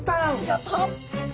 やった。